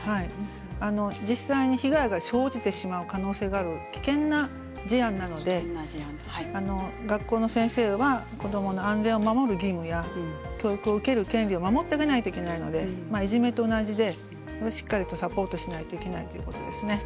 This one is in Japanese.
実際に被害が生じてしまう可能性がある危険な事案なので学校の先生には子どもの安全を守る義務教育を受ける権利を守らなくてはいけないのでいじめと同じでしっかりとサポートしないといけないということです。